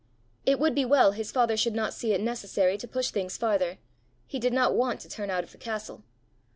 It would be well his father should not see it necessary to push things farther! He did not want to turn out of the castle!